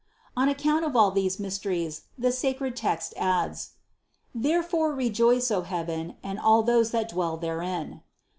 119. On account of all these mysteries the sacred text adds : "Therefore rejoice, O heaven, and all those that dwell therein."